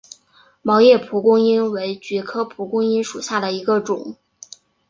毛叶蒲公英为菊科蒲公英属下的一个种。